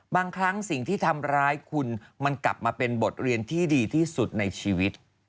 บางครั้งสิ่งที่ทำร้ายคุณมันกลับมาเป็นบทเรียนที่ดีที่สุดในชีวิต